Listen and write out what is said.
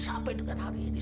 sampai dengan hari ini